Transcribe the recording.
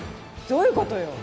どういうことよ？